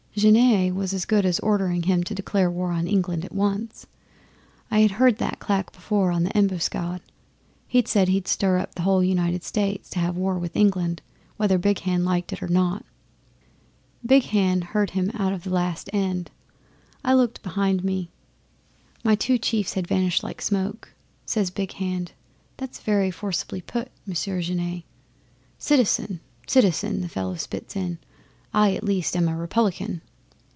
Genet was as good as ordering him to declare war on England at once. I had heard that clack before on the Embuscade. He said he'd stir up the whole United States to have war with England, whether Big Hand liked it or not. 'Big Hand heard him out to the last end. I looked behind me, and my two chiefs had vanished like smoke. Says Big Hand, "That is very forcibly put, Monsieur Genet " '"Citizen citizen!" the fellow spits in. "I, at least, am a Republican!"